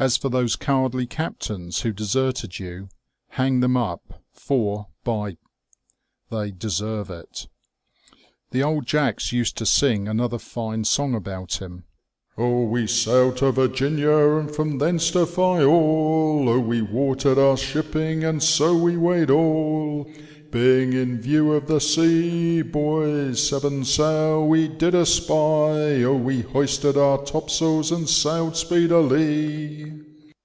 As for those cowardly captains who deserted you, hang them up, for, by , they ■ deserve it !" The old Jacks used to sing another fine song about him :—•* Oh, we sailed lo Virginia, And from thence to Fial ; Oh, we water'd our shipping, And so we weighed all : Being in view of the sea, boys. Seven sail we did espy ; Oh, we ]ioi8ted our topsails, And sailed speedily."